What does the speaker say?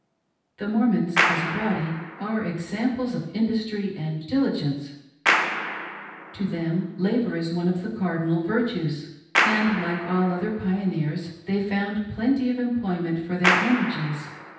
The Mormons, as a body, are examples of industry and diligence ; to them labor is one of the cardinal virtues ; and like all other pioneers they found plenty of employment for their energies.